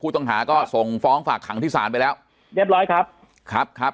ต้องหาก็ส่งฟ้องฝากขังที่ศาลไปแล้วเรียบร้อยครับครับ